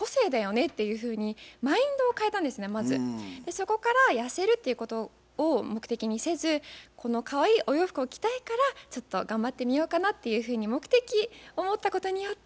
そこから痩せるっていうことを目的にせずこのかわいいお洋服を着たいからちょっと頑張ってみようかなっていうふうに目的を持ったことによって痩せることができました。